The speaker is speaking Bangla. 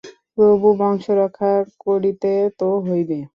তবু বংশরক্ষা করিতে তো হইবে।